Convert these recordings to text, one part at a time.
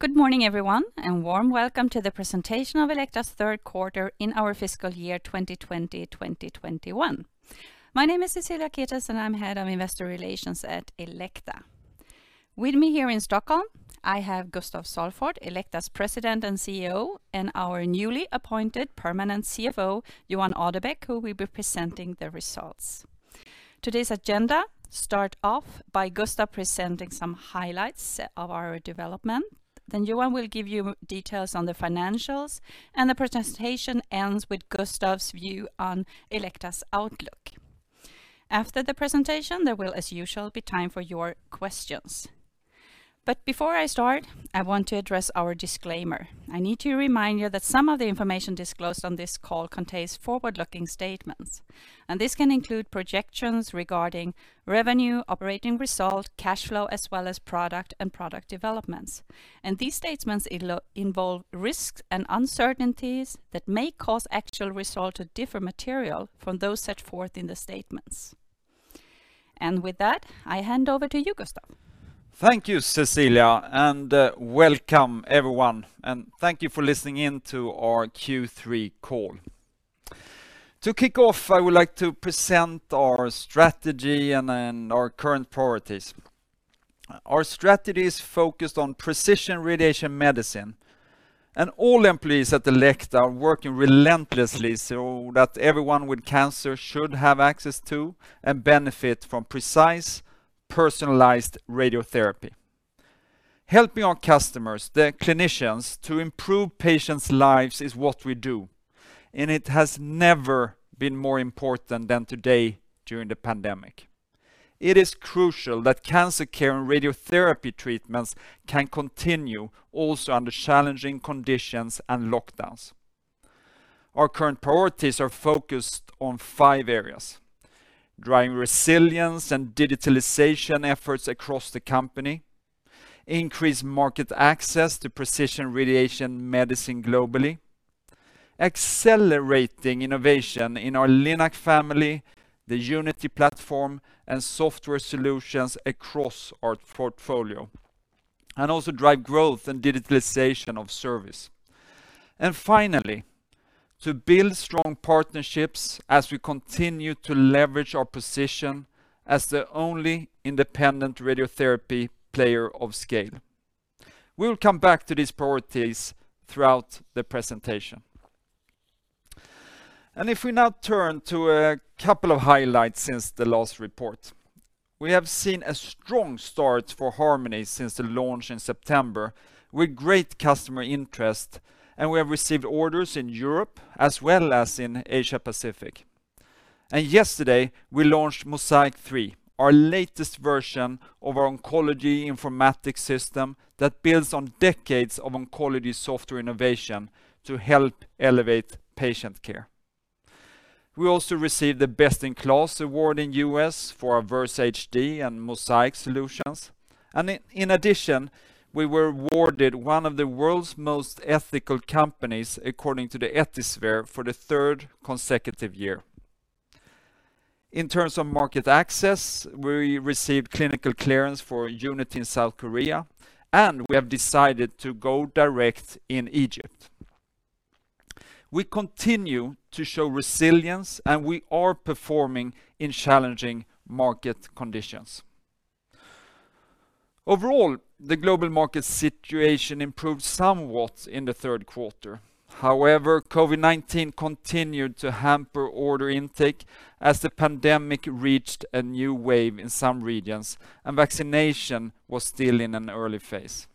Good morning, everyone, and a warm welcome to the presentation of Elekta’s third quarter in our fiscal year 2020/2021. My name is Cecilia Ketels, and I’m Head of Investor Relations at Elekta. With me here in Stockholm, I have Gustaf Salford, Elekta’s President and CEO, and our newly appointed permanent CFO, Johan Adebäck, who will be presenting the results. Today’s agenda starts off by Gustaf presenting some highlights of our development. Johan will give you details on the financials, and the presentation ends with Gustaf’s view on Elekta’s outlook. After the presentation, there will, as usual, be time for your questions. Before I start, I want to address our disclaimer. I need to remind you that some of the information disclosed on this call contains forward-looking statements, and this can include projections regarding revenue, operating result, cash flow, as well as product and product developments. These statements involve risks and uncertainties that may cause actual results to differ materially from those set forth in the statements. With that, I hand over to you, Gustaf. Thank you, Cecilia, and welcome, everyone, and thank you for listening in to our Q3 call. To kick off, I would like to present our strategy and our current priorities. Our strategy is focused on precision radiation medicine. All employees at Elekta are working relentlessly so that everyone with cancer should have access to and benefit from precise, personalized radiotherapy. Helping our customers, the clinicians, to improve patients' lives is what we do, and it has never been more important than today during the pandemic. It is crucial that cancer care and radiotherapy treatments can continue also under challenging conditions and lockdowns. Our current priorities are focused on five areas: driving resilience and digitalization efforts across the company, increased market access to precision radiation medicine globally, accelerating innovation in our Linac family, the Unity platform, and software solutions across our portfolio, and also drive growth and digitalization of service. Finally, to build strong partnerships as we continue to leverage our position as the only independent radiotherapy player of scale. We will come back to these priorities throughout the presentation. If we now turn to a couple of highlights since the last report. We have seen a strong start for Harmony since the launch in September with great customer interest, and we have received orders in Europe as well as in Asia-Pacific. Yesterday, we launched MOSAIQ 3, our latest version of our oncology information system that builds on decades of oncology software innovation to help elevate patient care. We also received the Best in KLAS award in the U.S. for our Versa HD and MOSAIQ solutions. In addition, we were awarded one of the world's most ethical companies, according to the Ethisphere, for the third consecutive year. In terms of market access, we received clinical clearance for Unity in South Korea, and we have decided to go direct in Egypt. We continue to show resilience, and we are performing in challenging market conditions. Overall, the global market situation improved somewhat in the third quarter. COVID-19 continued to hamper order intake as the pandemic reached a new wave in some regions and vaccination was still in an early phase.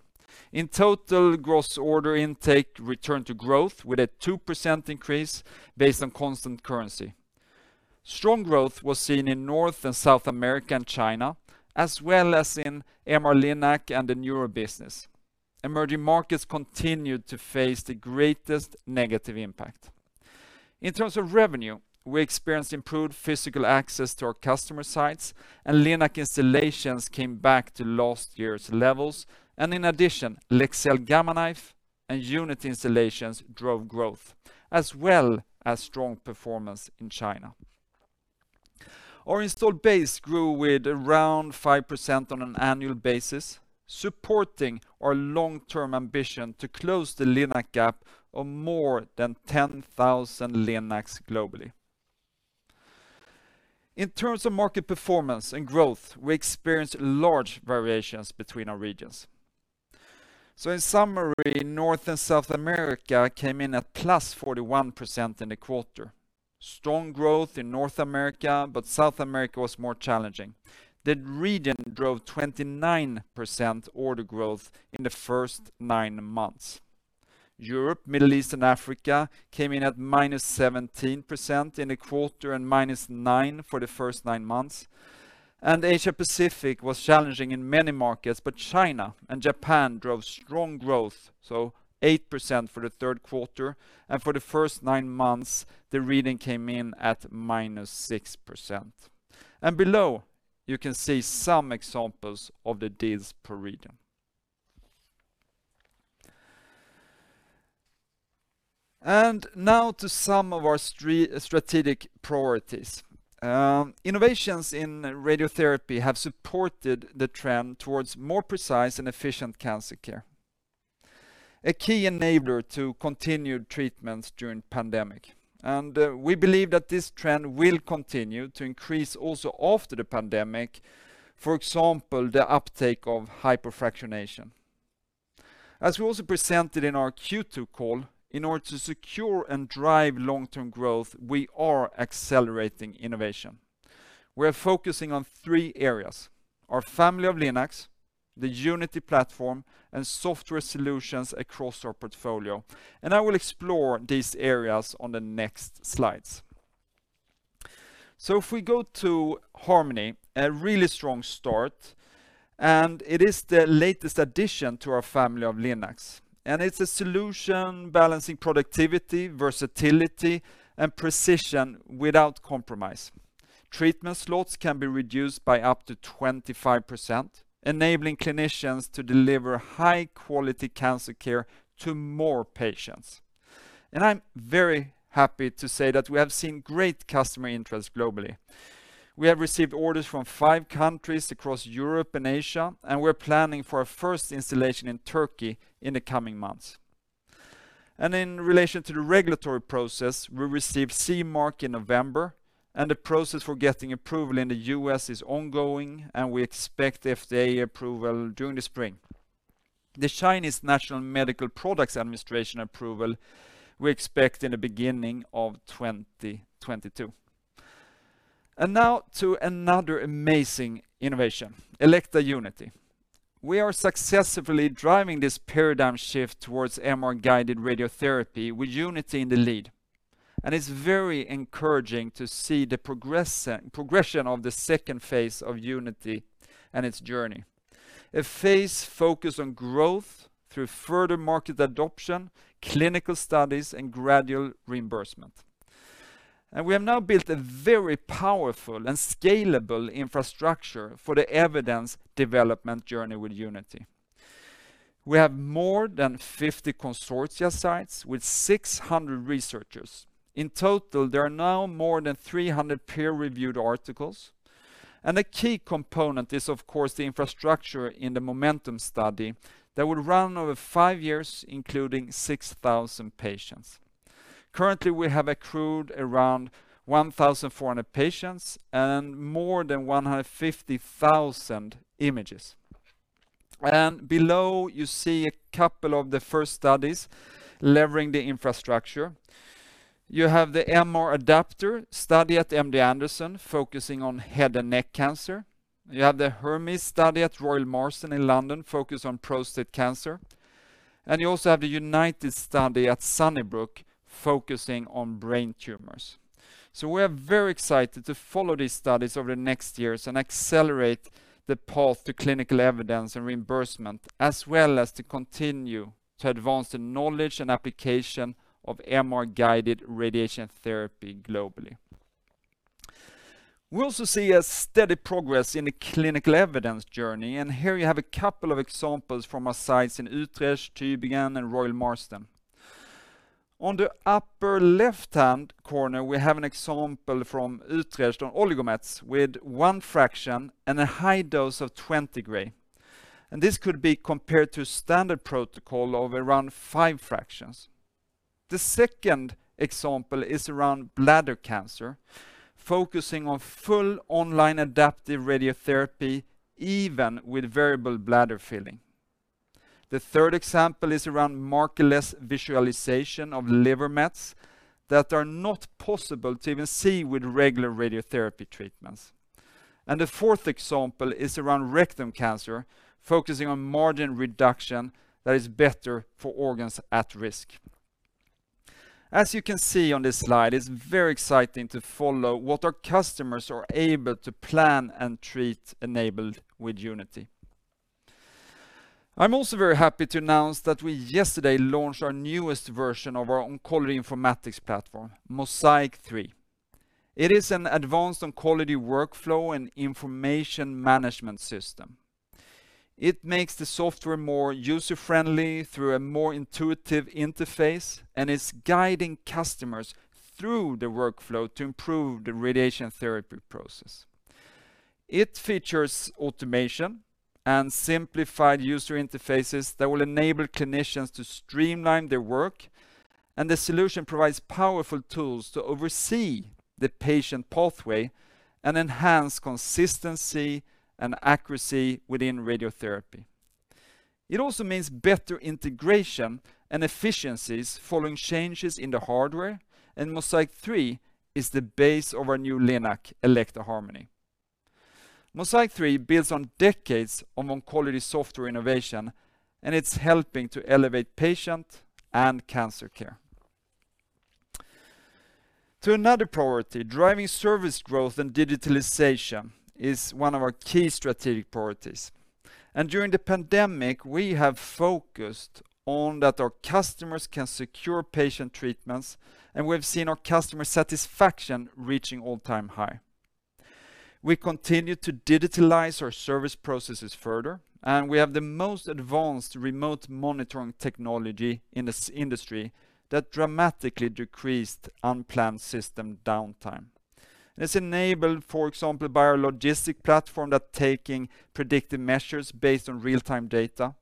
In total, gross order intake returned to growth with a 2% increase based on constant currency. Strong growth was seen in North and South America and China, as well as in MR-Linac and the newer business. Emerging markets continued to face the greatest negative impact. In terms of revenue, we experienced improved physical access to our customer sites, and Linac installations came back to last year's levels, and in addition, Elekta Gamma Knife and Unity installations drove growth, as well as strong performance in China. Our installed base grew with around 5% on an annual basis, supporting our long-term ambition to close the Linac gap of more than 10,000 Linacs globally. In terms of market performance and growth, we experienced large variations between our regions. In summary, North and South America came in at +41% in the quarter. Strong growth in North America, but South America was more challenging. That region drove 29% order growth in the first nine months. Europe, Middle East, and Africa came in at -17% in the quarter and -9% for the first nine months. Asia-Pacific was challenging in many markets, but China and Japan drove strong growth, so 8% for the third quarter, and for the first nine months, the reading came in at -6%. Below, you can see some examples of the deals per region. Now to some of our strategic priorities. Innovations in radiotherapy have supported the trend towards more precise and efficient cancer care, a key enabler to continued treatments during pandemic. We believe that this trend will continue to increase also after the pandemic, for example, the uptake of hypofractionation. As we also presented in our Q2 call, in order to secure and drive long-term growth, we are accelerating innovation. We are focusing on three areas, our family of Linacs, the Unity platform, and software solutions across our portfolio. I will explore these areas on the next slides. If we go to Harmony, a really strong start, and it is the latest addition to our family of Linacs. It's a solution balancing productivity, versatility, and precision without compromise. Treatment slots can be reduced by up to 25%, enabling clinicians to deliver high-quality cancer care to more patients. I'm very happy to say that we have seen great customer interest globally. We have received orders from five countries across Europe and Asia, and we're planning for our first installation in Turkey in the coming months. In relation to the regulatory process, we received CE mark in November, and the process for getting approval in the U.S. is ongoing, and we expect FDA approval during the spring. The Chinese National Medical Products Administration approval, we expect in the beginning of 2022. Now to another amazing innovation, Elekta Unity. We are successfully driving this paradigm shift towards MR-guided radiotherapy with Unity in the lead. It's very encouraging to see the progression of the second phase of Unity and its journey. A phase focused on growth through further market adoption, clinical studies, and gradual reimbursement. We have now built a very powerful and scalable infrastructure for the evidence development journey with Unity. We have more than 50 consortia sites with 600 researchers. In total, there are now more than 300 peer-reviewed articles. A key component is, of course, the infrastructure in the MOMENTUM study that will run over five years, including 6,000 patients. Currently, we have accrued around 1,400 patients and more than 150,000 images. Below, you see a couple of the first studies leveraging the infrastructure. You have the MR-ADAPTOR study at MD Anderson focusing on head and neck cancer. You have the HERMES study at The Royal Marsden in London focused on prostate cancer. You also have the UNITED study at Sunnybrook Health Sciences Centre focusing on brain tumors. We are very excited to follow these studies over the next years and accelerate the path to clinical evidence and reimbursement, as well as to continue to advance the knowledge and application of MR-guided radiotherapy globally. We also see a steady progress in the clinical evidence journey, and here you have a couple of examples from our sites in Utrecht, Tübingen, and The Royal Marsden. On the upper left-hand corner, we have an example from Utrecht on oligometastatic with one fraction and a high dose of 20 gray. This could be compared to standard protocol of around five fractions. The second example is around bladder cancer, focusing on full online adaptive radiotherapy, even with variable bladder filling. The third example is around markerless visualization of liver mets that are not possible to even see with regular radiotherapy treatments. The fourth example is around rectum cancer, focusing on margin reduction that is better for organs at risk. As you can see on this slide, it's very exciting to follow what our customers are able to plan and treat enabled with Unity. I'm also very happy to announce that we yesterday launched our newest version of our oncology informatics platform, MOSAIQ 3. It is an advanced oncology workflow and information management system. It makes the software more user-friendly through a more intuitive interface and is guiding customers through the workflow to improve the radiation therapy process. It features automation and simplified user interfaces that will enable clinicians to streamline their work. The solution provides powerful tools to oversee the patient pathway and enhance consistency and accuracy within radiotherapy. It also means better integration and efficiencies following changes in the hardware, and MOSAIQ 3 is the base of our new Linac Elekta Harmony. MOSAIQ 3 builds on decades of oncology software innovation, and it's helping to elevate patient and cancer care. To another priority, driving service growth and digitalization is one of our key strategic priorities. During the pandemic, we have focused on that our customers can secure patient treatments, and we've seen our customer satisfaction reaching all-time high. We continue to digitalize our service processes further, and we have the most advanced remote monitoring technology in this industry that dramatically decreased unplanned system downtime. It's enabled, for example, by our logistic platform that taking predictive measures based on real-time data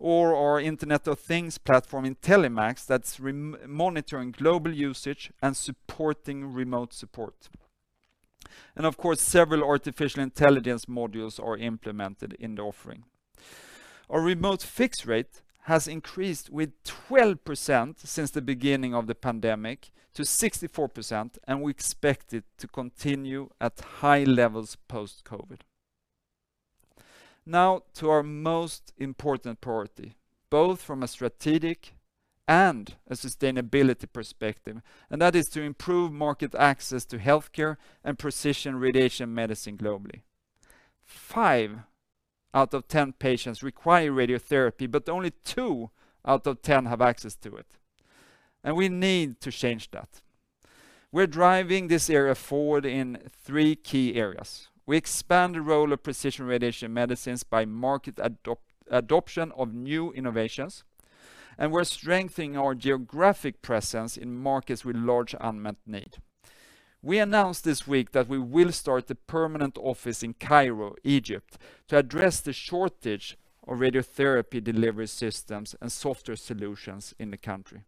or our Internet of Things platform, IntelliMax, that's monitoring global usage and supporting remote support. Of course, several artificial intelligence modules are implemented in the offering. Our remote fix rate has increased with 12% since the beginning of the pandemic to 64%. We expect it to continue at high levels post-COVID. Now to our most important priority, both from a strategic and a sustainability perspective. That is to improve market access to healthcare and precision radiation medicine globally. Five out of 10 patients require radiotherapy, only two out of 10 have access to it. We need to change that. We're driving this area forward in three key areas. We expand the role of precision radiation medicines by market adoption of new innovations, and we're strengthening our geographic presence in markets with large unmet need. We announced this week that we will start the permanent office in Cairo, Egypt to address the shortage of radiotherapy delivery systems and software solutions in the country.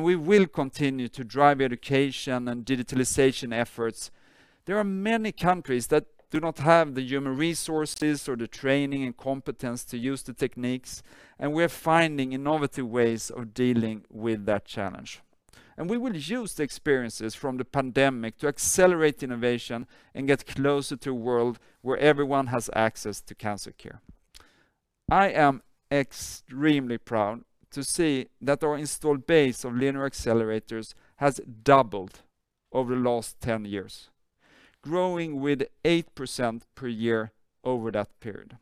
We will continue to drive education and digitalization efforts. There are many countries that do not have the human resources or the training and competence to use the techniques, and we're finding innovative ways of dealing with that challenge. We will use the experiences from the pandemic to accelerate innovation and get closer to a world where everyone has access to cancer care. I am extremely proud to see that our installed base of linear accelerators has doubled over the last 10 years, growing with 8% per year over that period.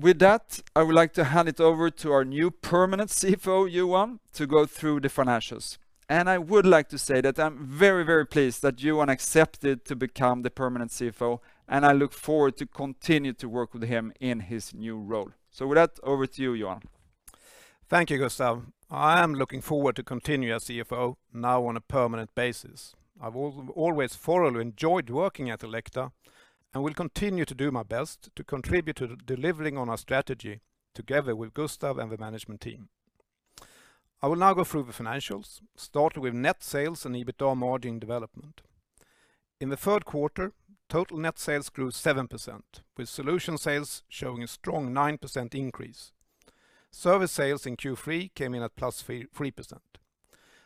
With that, I would like to hand it over to our new permanent CFO, Johan, to go through the financials. I would like to say that I'm very, very pleased that Johan accepted to become the permanent CFO, and I look forward to continue to work with him in his new role. With that, over to you, Johan. Thank you, Gustaf. I am looking forward to continue as CFO now on a permanent basis. I've always thoroughly enjoyed working at Elekta and will continue to do my best to contribute to delivering on our strategy together with Gustaf and the management team. I will now go through the financials, starting with net sales and EBITDA margin development. In the third quarter, total net sales grew 7%, with solution sales showing a strong 9% increase. Service sales in Q3 came in at +3%.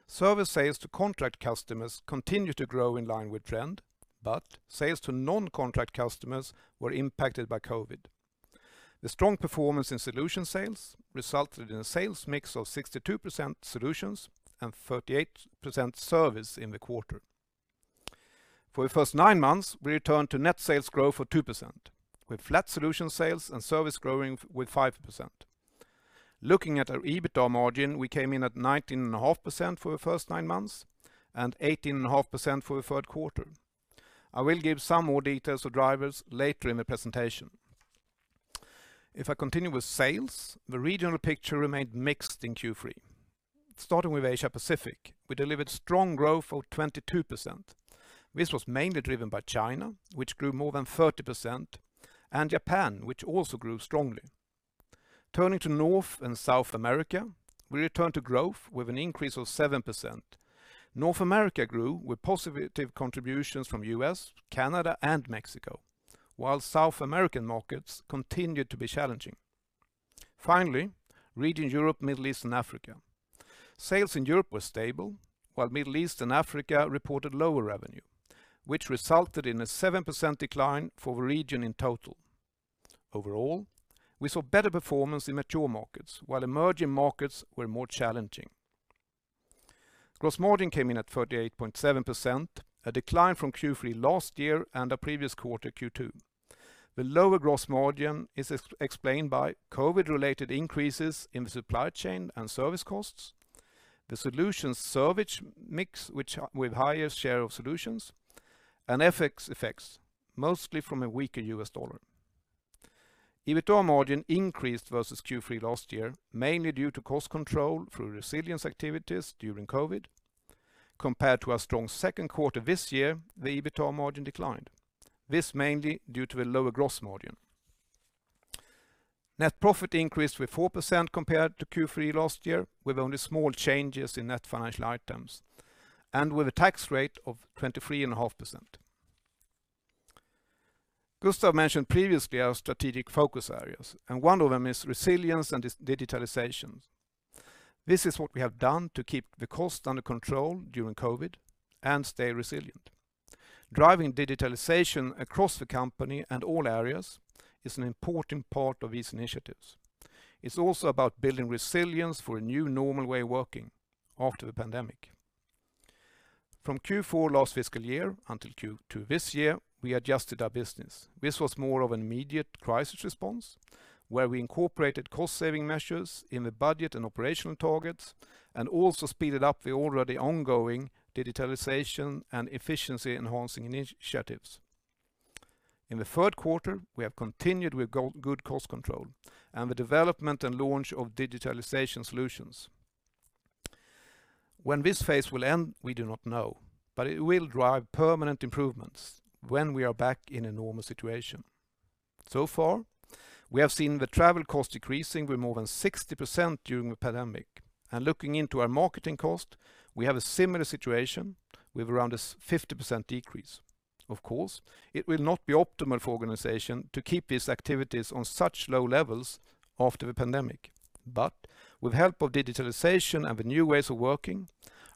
Service sales to contract customers continued to grow in line with trend, but sales to non-contract customers were impacted by COVID. The strong performance in solution sales resulted in a sales mix of 62% solutions and 38% service in the quarter. For the first nine months, we returned to net sales growth of 2%, with flat solution sales and service growing with 5%. Looking at our EBITDA margin, we came in at 19.5% for the first nine months and 18.5% for the third quarter. I will give some more details of drivers later in the presentation. If I continue with sales, the regional picture remained mixed in Q3. Starting with Asia-Pacific, we delivered strong growth of 22%. This was mainly driven by China, which grew more than 30%, and Japan, which also grew strongly. Turning to North and South America, we returned to growth with an increase of 7%. North America grew with positive contributions from U.S., Canada, and Mexico, while South American markets continued to be challenging. Finally, region Europe, Middle East, and Africa. Sales in Europe were stable, while Middle East and Africa reported lower revenue, which resulted in a 7% decline for the region in total. Overall, we saw better performance in mature markets, while emerging markets were more challenging. Gross margin came in at 38.7%, a decline from Q3 last year and our previous quarter, Q2. The lower gross margin is explained by COVID-related increases in the supply chain and service costs, the solution/service mix with higher share of solutions, and FX effects, mostly from a weaker US dollar. EBITDA margin increased versus Q3 last year, mainly due to cost control through resilience activities during COVID. Compared to our strong second quarter this year, the EBITDA margin declined. This mainly due to a lower gross margin. Net profit increased with 4% compared to Q3 last year, with only small changes in net financial items and with a tax rate of 23.5%. Gustaf mentioned previously our strategic focus areas, and one of them is resilience and digitalization. This is what we have done to keep the cost under control during COVID and stay resilient. Driving digitalization across the company and all areas is an important part of these initiatives. It's also about building resilience for a new normal way of working after the pandemic. From Q4 last fiscal year until Q2 this year, we adjusted our business. This was more of an immediate crisis response, where we incorporated cost-saving measures in the budget and operational targets and also speeded up the already ongoing digitalization and efficiency-enhancing initiatives. In the third quarter, we have continued with good cost control and the development and launch of digitalization solutions. When this phase will end, we do not know. It will drive permanent improvements when we are back in a normal situation. So far, we have seen the travel cost decreasing with more than 60% during the pandemic. Looking into our marketing cost, we have a similar situation with around a 50% decrease. Of course, it will not be optimal for organization to keep these activities on such low levels after the pandemic. With help of digitalization and the new ways of working,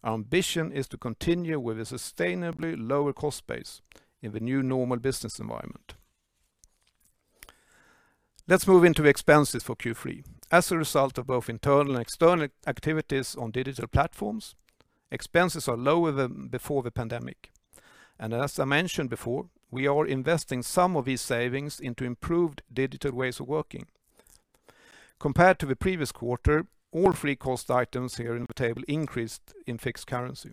our ambition is to continue with a sustainably lower cost base in the new normal business environment. Let's move into expenses for Q3. As a result of both internal and external activities on digital platforms, expenses are lower than before the pandemic. As I mentioned before, we are investing some of these savings into improved digital ways of working. Compared to the previous quarter, all three cost items here in the table increased in fixed currency.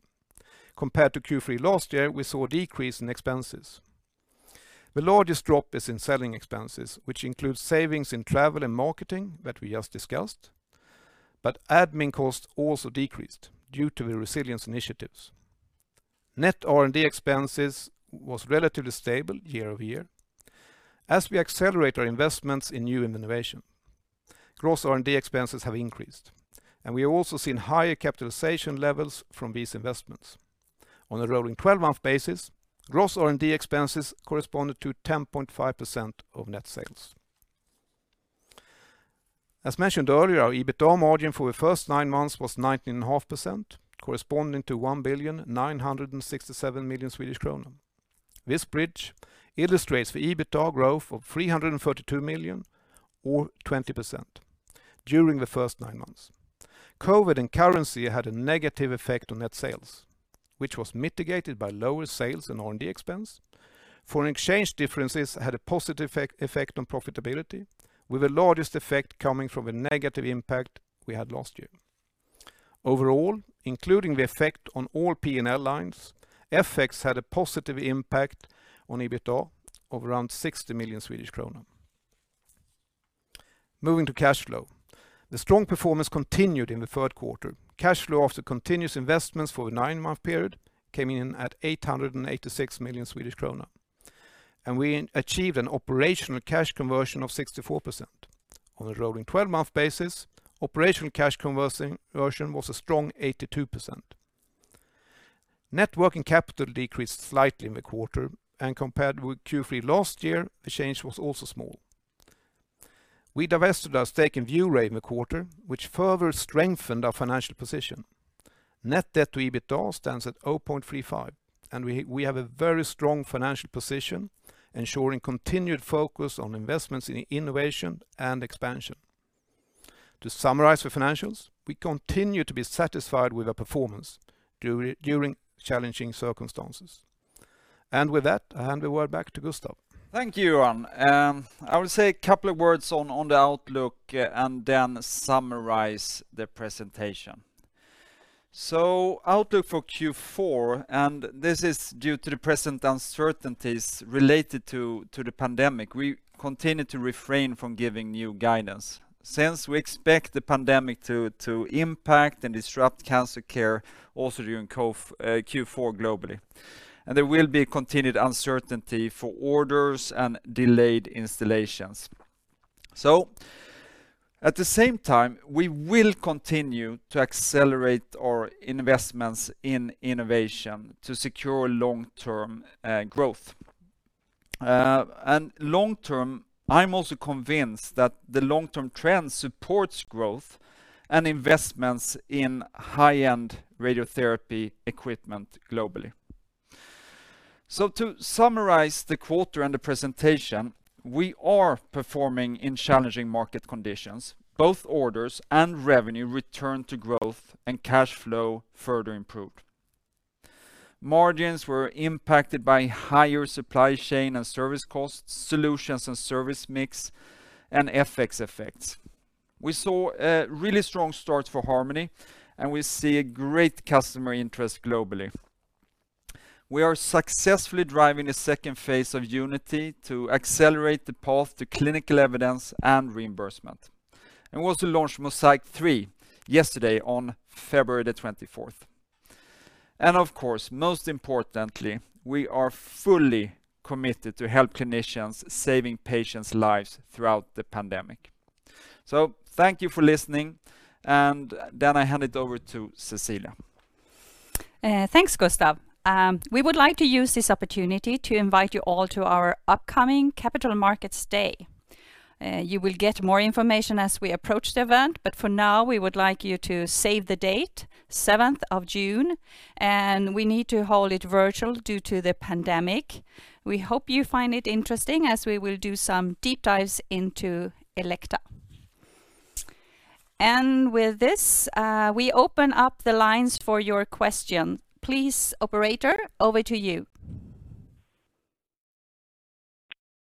Compared to Q3 last year, we saw a decrease in expenses. The largest drop is in selling expenses, which includes savings in travel and marketing that we just discussed, but admin costs also decreased due to the resilience initiatives. Net R&D expenses was relatively stable year-over-year. As we accelerate our investments in new innovation, gross R&D expenses have increased, and we have also seen higher capitalization levels from these investments. On a rolling 12-month basis, gross R&D expenses corresponded to 10.5% of net sales. As mentioned earlier, our EBITDA margin for the first nine months was 19.5%, corresponding to 1.967 billion This bridge illustrates the EBITDA growth of 332 million, or 20%, during the first nine months. COVID and currency had a negative effect on net sales, which was mitigated by lower sales and R&D expense. Foreign exchange differences had a positive effect on profitability, with the largest effect coming from a negative impact we had last year. Overall, including the effect on all P&L lines, FX had a positive impact on EBITDA of around 60,000,000 Swedish kronor. Moving to cash flow. The strong performance continued in the third quarter. Cash flow after continuous investments for the nine-month period came in at 886 million Swedish krona, and we achieved an operational cash conversion of 64%. On a rolling 12-month basis, operational cash conversion was a strong 82%. Net working capital decreased slightly in the quarter, and compared with Q3 last year, the change was also small. We divested our stake in ViewRay in the quarter, which further strengthened our financial position. Net debt to EBITDA stands at 0.35, and we have a very strong financial position, ensuring continued focus on investments in innovation and expansion. To summarize the financials, we continue to be satisfied with our performance during challenging circumstances. With that, I hand the word back to Gustaf. Thank you, Johan. I will say a couple of words on the outlook and then summarize the presentation. Outlook for Q4, this is due to the present uncertainties related to the pandemic. We continue to refrain from giving new guidance since we expect the pandemic to impact and disrupt cancer care also during Q4 globally. There will be continued uncertainty for orders and delayed installations. At the same time, we will continue to accelerate our investments in innovation to secure long-term growth. Long term, I'm also convinced that the long-term trend supports growth and investments in high-end radiotherapy equipment globally. To summarize the quarter and the presentation, we are performing in challenging market conditions. Both orders and revenue returned to growth, cash flow further improved. Margins were impacted by higher supply chain and service costs, solutions and service mix, and FX effects. We saw a really strong start for Harmony. We see a great customer interest globally. We are successfully driving the second phase of Unity to accelerate the path to clinical evidence and reimbursement. We also launched MOSAIQ 3 yesterday on February 24th. Of course, most importantly, we are fully committed to help clinicians saving patients' lives throughout the pandemic. Thank you for listening. Then I hand it over to Cecilia. Thanks, Gustaf. We would like to use this opportunity to invite you all to our upcoming Capital Markets Day. You will get more information as we approach the event, but for now, we would like you to save the date, 7th of June, and we need to hold it virtual due to the pandemic. We hope you find it interesting as we will do some deep dives into Elekta. With this, we open up the lines for your question. Please, operator, over to you.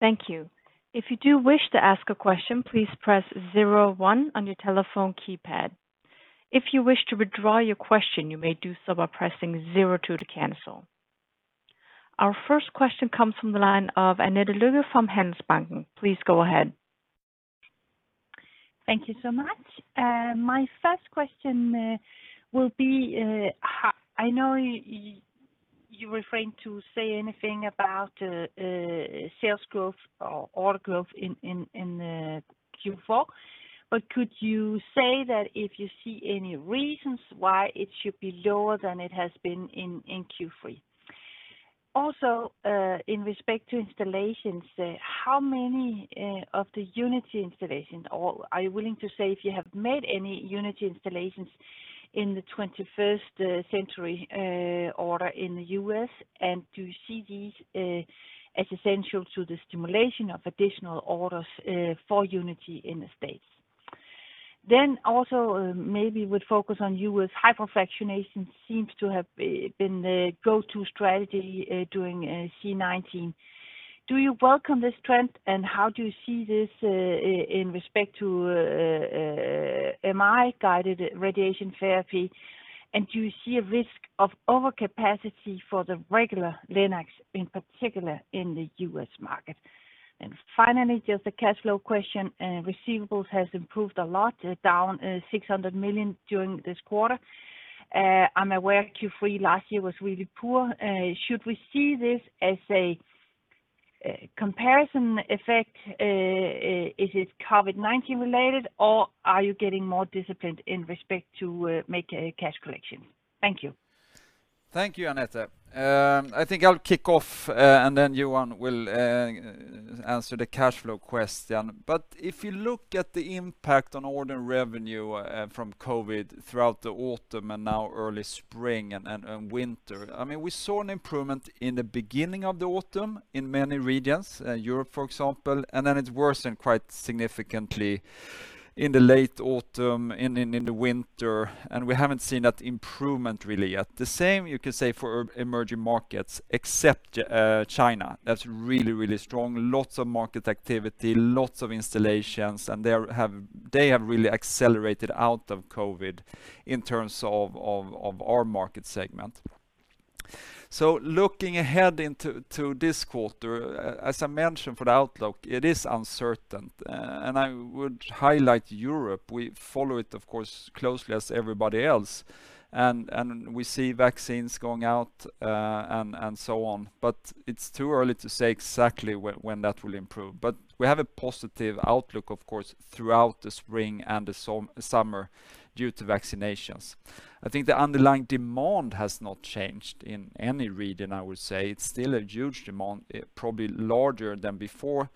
Thank you. If you do wish to ask a question, please press zero one on your telephone keypad. If you wish to withdraw your question, you may do so by pressing zero two to cancel. Our first question comes from the line of Annette Lykke from Handelsbanken. Please go ahead. Thank you so much. My first question will be, I know you refrain from saying anything about sales growth or order growth in the Q4, but could you say that if you see any reasons why it should be lower than it has been in Q3? Also, in respect to installations, how many of the Unity installations, or are you willing to say if you have made any Unity installations in the 21st Century order in the U.S., and do you see these as essential to the stimulation of additional orders for Unity in the States? Also, maybe we focus on you with hypofractionation seems to have been the go-to strategy during COVID-19. Do you welcome this trend? How do you see this in respect to MR-guided radiotherapy? Do you see a risk of overcapacity for the regular Linac in particular in the U.S. market? Finally, just a cash flow question. Receivables has improved a lot, down 600 million during this quarter. I'm aware Q3 last year was really poor. Should we see this as a comparison effect? Is it COVID-19 related, or are you getting more disciplined in respect to make cash collection? Thank you. Thank you, Annette. I think I'll kick off, then Johan will answer the cash flow question. If you look at the impact on order revenue from COVID throughout the autumn and now early spring and winter, we saw an improvement in the beginning of the autumn in many regions, Europe, for example, then it worsened quite significantly in the late autumn and in the winter, we haven't seen that improvement really yet. The same you could say for emerging markets, except China. That's really, really strong. Lots of market activity, lots of installations, they have really accelerated out of COVID in terms of our market segment. Looking ahead into this quarter, as I mentioned for the outlook, it is uncertain. I would highlight Europe. We follow it, of course, closely as everybody else. We see vaccines going out and so on. It's too early to say exactly when that will improve. We have a positive outlook, of course, throughout the spring and the summer due to vaccinations. I think the underlying demand has not changed in any region, I would say. It's still a huge demand, probably larger than before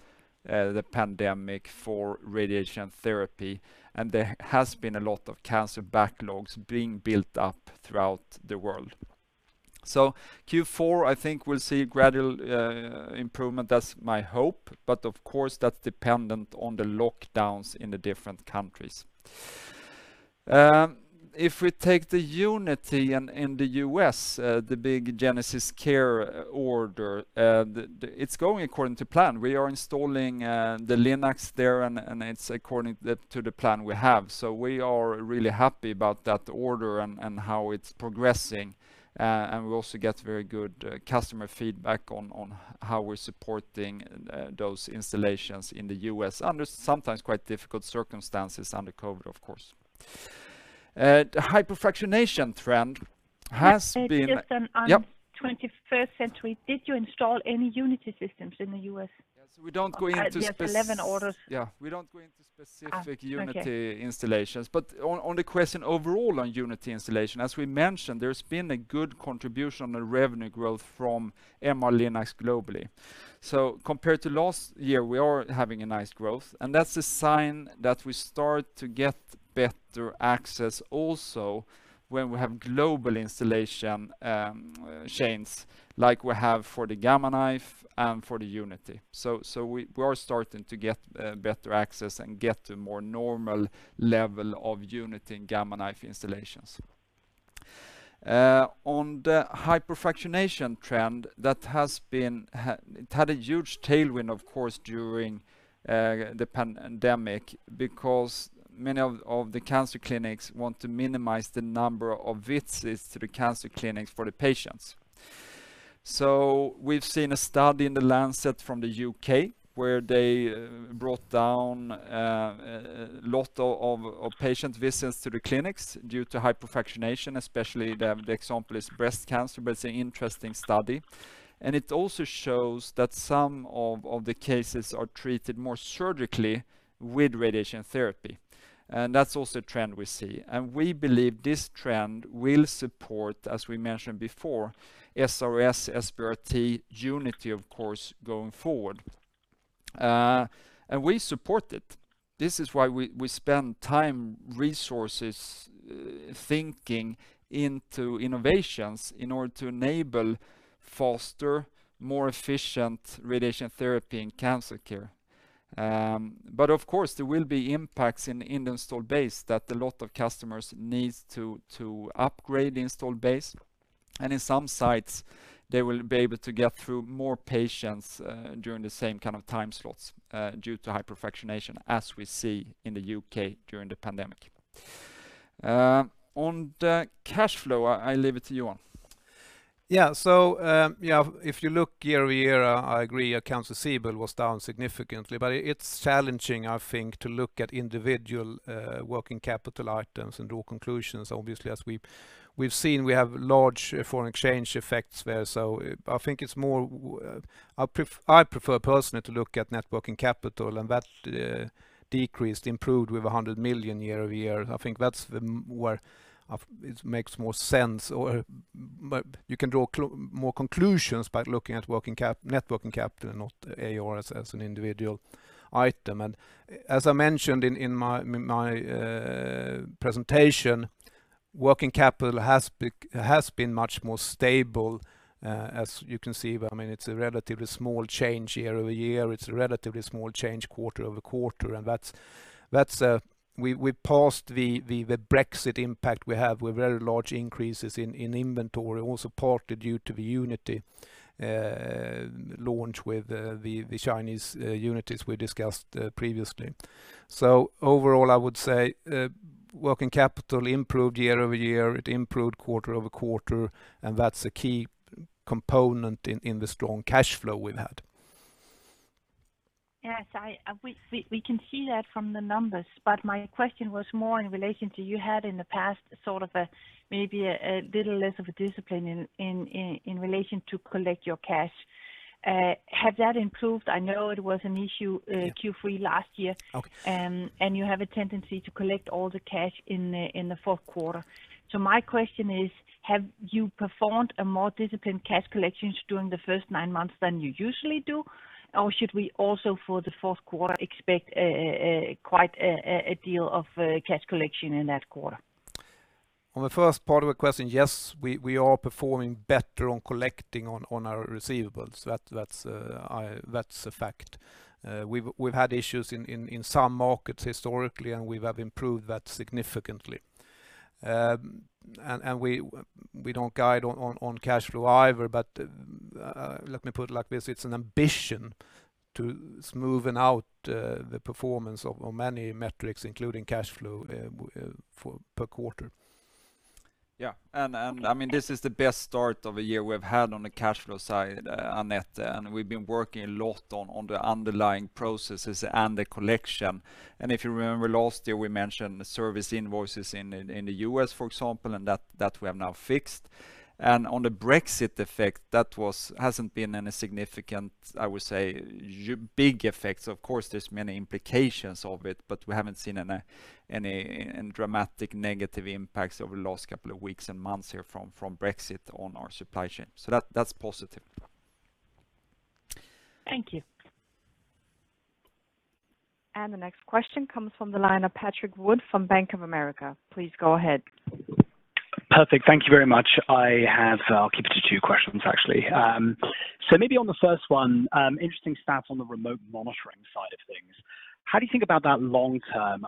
the pandemic for radiation therapy, and there has been a lot of cancer backlogs being built up throughout the world. Q4, I think we'll see gradual improvement. That's my hope. Of course, that's dependent on the lockdowns in the different countries. If we take the Unity in the U.S., the big GenesisCare order, it's going according to plan. We are installing the Linac there, and it's according to the plan we have. We are really happy about that order and how it's progressing. We also get very good customer feedback on how we're supporting those installations in the U.S. under sometimes quite difficult circumstances under COVID, of course. Just on- Yep. -21st century, did you install any Unity systems in the U.S.? Yes, we don't go into spec- There's 11 orders. Yeah, we don't go into specific- Okay. Unity installations. On the question overall on Unity installation, as we mentioned, there's been a good contribution on the revenue growth from MR-Linac globally. Compared to last year, we are having a nice growth, and that's a sign that we start to get better access also when we have global installation chains like we have for the Gamma Knife and for the Unity. We are starting to get better access and get to more normal level of Unity and Gamma Knife installations. On the hypofractionation trend, it had a huge tailwind, of course, during the pandemic because many of the cancer clinics want to minimize the number of visits to the cancer clinics for the patients. We've seen a study in The Lancet from the U.K., where they brought down a lot of patient visits to the clinics due to hypofractionation, especially the example is breast cancer, but it's an interesting study. It also shows that some of the cases are treated more surgically with radiation therapy. That's also a trend we see. We believe this trend will support, as we mentioned before, SRS, SBRT, Unity, of course, going forward. We support it. This is why we spend time, resources, thinking into innovations in order to enable faster, more efficient radiation therapy in cancer care. Of course, there will be impacts in the installed base that a lot of customers needs to upgrade the installed base. In some sites, they will be able to get through more patients during the same time slots due to hypofractionation, as we see in the U.K. during the pandemic. On the cash flow, I leave it to you, Johan. Yeah. If you look year-over-year, I agree accounts receivable was down significantly. It's challenging, I think, to look at individual working capital items and draw conclusions. Obviously, as we've seen, we have large foreign exchange effects there. I prefer personally to look at net working capital, that improved with 100 million year-over-year. I think that's where it makes more sense, or you can draw more conclusions by looking at net working capital, not AR as an individual item. As I mentioned in my presentation, working capital has been much more stable. As you can see, it's a relatively small change year-over-year. It's a relatively small change quarter-over-quarter, we passed the Brexit impact we have with very large increases in inventory, also partly due to the Unity launch with the Chinese units we discussed previously. Overall, I would say working capital improved year-over-year. It improved quarter-over-quarter, and that's a key component in the strong cash flow we've had. Yes, we can see that from the numbers. My question was more in relation to you had in the past sort of maybe a little less of a discipline in relation to collect your cash. Has that improved? I know it was an issue Q3 last year. Okay. You have a tendency to collect all the cash in the fourth quarter. My question is, have you performed a more disciplined cash collections during the first nine months than you usually do, or should we also, for the fourth quarter, expect quite a deal of cash collection in that quarter? On the first part of the question, yes, we are performing better on collecting on our receivables. That's a fact. We've had issues in some markets historically, we have improved that significantly. We don't guide on cash flow either, but let me put it like this, it's an ambition to smoothen out the performance of many metrics, including cash flow per quarter. Yeah. This is the best start of a year we've had on the cash flow side, Annette, and we've been working a lot on the underlying processes and the collection. If you remember last year, we mentioned service invoices in the U.S., for example, and that we have now fixed. On the Brexit effect, that hasn't been any significant, I would say, big effects. Of course, there's many implications of it, but we haven't seen any dramatic negative impacts over the last couple of weeks and months here from Brexit on our supply chain. That's positive. Thank you. The next question comes from the line of Patrick Wood from Bank of America. Please go ahead. Perfect. Thank you very much. I'll keep it to two questions, actually. Maybe on the first one, interesting stats on the remote monitoring side of things. How do you think about that long term?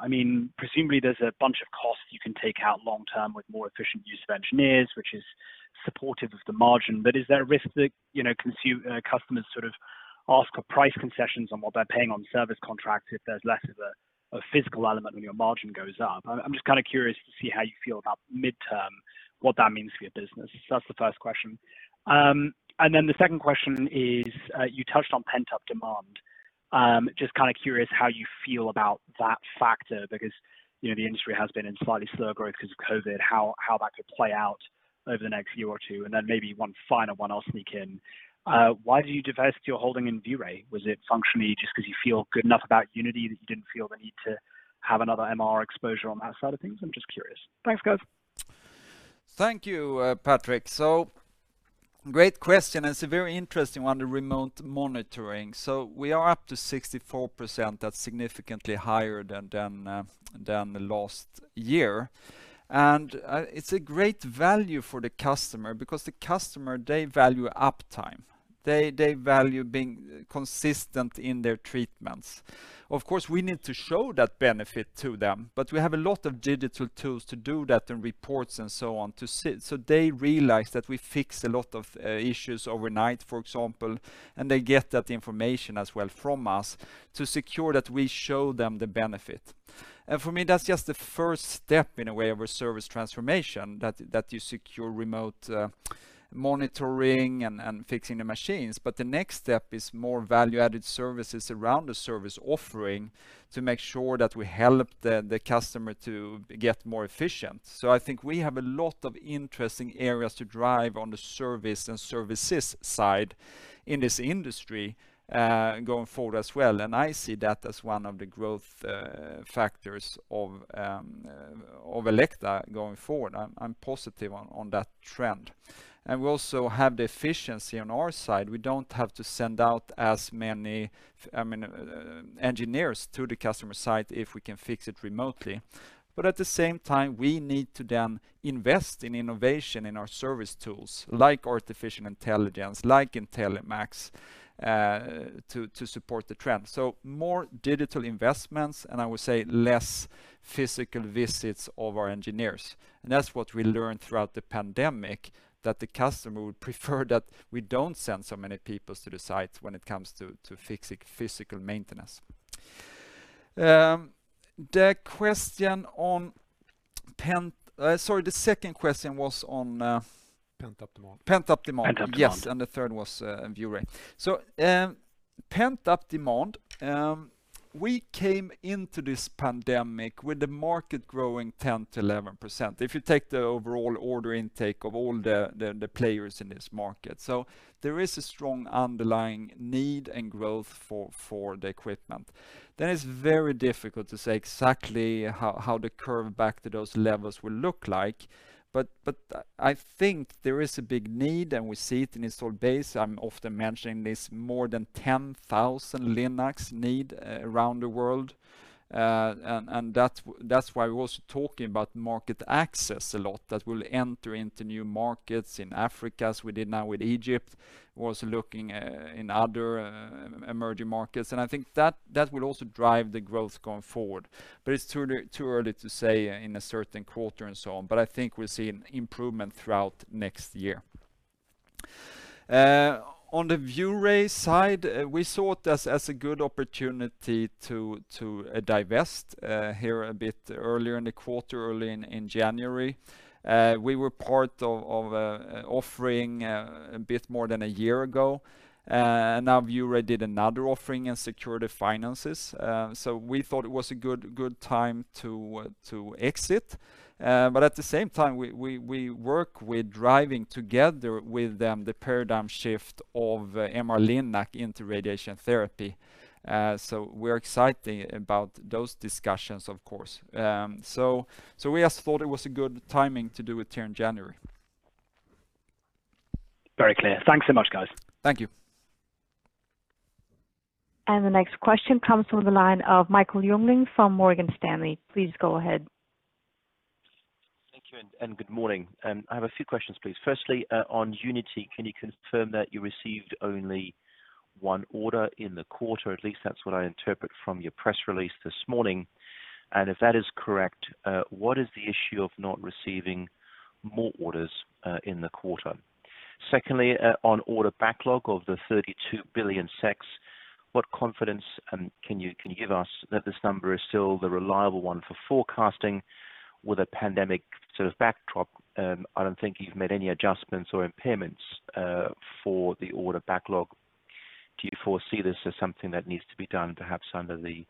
Presumably there's a bunch of costs you can take out long term with more efficient use of engineers, which is supportive of the margin, but is there a risk that customers sort of ask for price concessions on what they're paying on service contracts if there's less of a physical element when your margin goes up? I'm just kind of curious to see how you feel about midterm, what that means for your business. That's the first question. The second question is, you touched on pent-up demand. Just kind of curious how you feel about that factor because the industry has been in slightly slower growth because of COVID, how that could play out over the next year or two. Maybe one final one I'll sneak in. Why did you divest your holding in ViewRay? Was it functionally just because you feel good enough about Unity that you didn't feel the need to have another MR exposure on that side of things? I'm just curious. Thanks, guys. Thank you, Patrick. Great question, and it's a very interesting one, the remote monitoring. We are up to 64%. That's significantly higher than the last year. It's a great value for the customer because the customer, they value uptime. They value being consistent in their treatments. Of course, we need to show that benefit to them, but we have a lot of digital tools to do that and reports and so on to see. They realize that we fix a lot of issues overnight, for example, and they get that information as well from us to secure that we show them the benefit. For me, that's just the first step, in a way, of a service transformation, that you secure remote monitoring and fixing the machines. The next step is more value-added services around the service offering to make sure that we help the customer to get more efficient. I think we have a lot of interesting areas to drive on the service and services side in this industry going forward as well, and I see that as one of the growth factors of Elekta going forward. I'm positive on that trend. We also have the efficiency on our side. We don't have to send out as many engineers to the customer site if we can fix it remotely. At the same time, we need to then invest in innovation in our service tools, like artificial intelligence, like IntelliMax, to support the trend. More digital investments, and I would say less physical visits of our engineers. That's what we learned throughout the pandemic, that the customer would prefer that we don't send so many people to the site when it comes to physical maintenance. The second question was on- Pent-up demand. -pent-up demand. Pent-up demand. Yes, the third was ViewRay. Pent-up demand. We came into this pandemic with the market growing 10%-11%, if you take the overall order intake of all the players in this market. There is a strong underlying need and growth for the equipment. It's very difficult to say exactly how the curve back to those levels will look like, but I think there is a big need, and we see it in installed base. I'm often mentioning this more than 10,000 Linacs need around the world. That's why we're also talking about market access a lot, that we'll enter into new markets in Africa, as we did now with Egypt. Also looking in other emerging markets. I think that will also drive the growth going forward. It's too early to say in a certain quarter and so on, I think we'll see an improvement throughout next year. On the ViewRay side, we saw it as a good opportunity to divest here a bit earlier in the quarter, early in January. We were part of offering a bit more than a year ago. ViewRay did another offering and secured the finances. We thought it was a good time to exit. At the same time, we work with driving together with them the paradigm shift of MR-Linac into radiation therapy. We're excited about those discussions, of course. We just thought it was a good timing to do it here in January. Very clear. Thanks so much, guys. Thank you. The next question comes from the line of Michael Jüngling from Morgan Stanley. Please go ahead. Thank you, and good morning. I have a few questions, please. Firstly, on Elekta Unity, can you confirm that you received only one order in the quarter? At least that's what I interpret from your press release this morning. If that is correct, what is the issue of not receiving more orders in the quarter? Secondly, on order backlog of the 32 billion, what confidence can you give us that this number is still the reliable one for forecasting with a pandemic sort of backdrop? I don't think you've made any adjustments or impairments for the order backlog. Do you foresee this as something that needs to be done, perhaps under the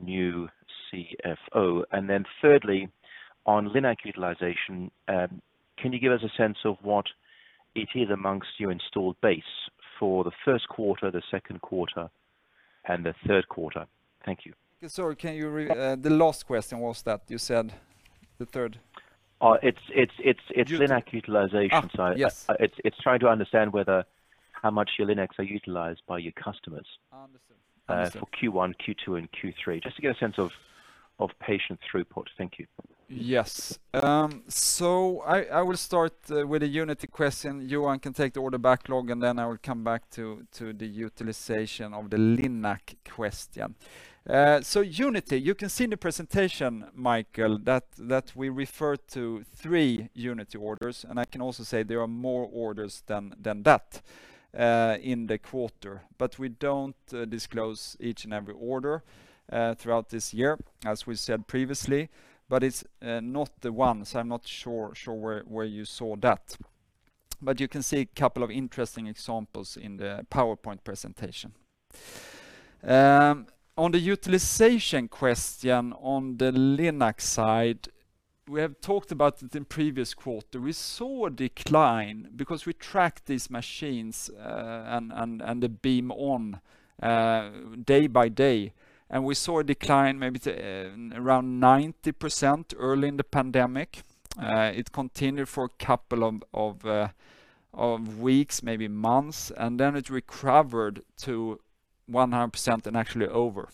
new CFO? Thirdly, on Linac utilization, can you give us a sense of what it is amongst your installed base for the first quarter, the second quarter, and the third quarter? Thank you. Sorry, the last question was what? You said the third. It's- Unity Linac utilization, sorry. yes. It's trying to understand how much your Linacs are utilized by your customers. Understand for Q1, Q2, and Q3, just to get a sense of patient throughput. Thank you. Yes. I will start with the Unity question. Johan can take the order backlog. I will come back to the utilization of the Linac question. Unity, you can see in the presentation, Michael, that we refer to three Unity orders. I can also say there are more orders than that in the quarter. We don't disclose each and every order throughout this year, as we said previously. It's not the one. I'm not sure where you saw that. You can see a couple of interesting examples in the PowerPoint presentation. On the utilization question on the Linac side, we have talked about it in previous quarter. We saw a decline because we tracked these machines and the beam on day by day. We saw a decline maybe to around 90% early in the pandemic. It continued for a couple of weeks, maybe months, and then it recovered to 100% and actually over.